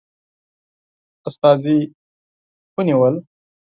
استازي ونیول.